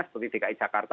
seperti dki jakarta